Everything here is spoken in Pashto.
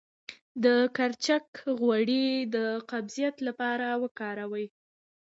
د کرچک غوړي د قبضیت لپاره وکاروئ